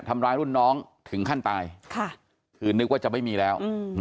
ทำร้ายรุ่นน้องถึงขั้นตายค่ะคือนึกว่าจะไม่มีแล้ว